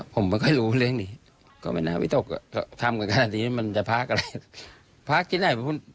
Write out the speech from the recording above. เพราะลูกของมะนาวก็คือหลานผมผมรับได้ผมก็เลี้ยงได้